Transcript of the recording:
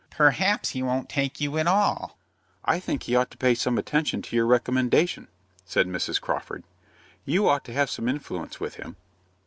"Perhaps he won't take you at all." "I think he ought to pay some attention to your recommendation," said Mrs. Crawford. "You ought to have some influence with him."